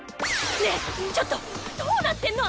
ねえちょっとどうなってんの？